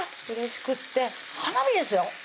うれしくって花火ですよ！